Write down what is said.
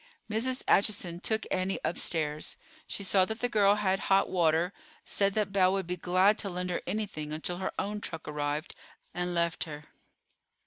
Mrs. Acheson took Annie upstairs. She saw that the girl had hot water, said that Belle would be glad to lend her anything until her own trunk arrived, and left her.